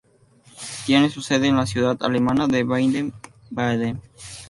Tiene su sede en la ciudad alemana de Baden Baden.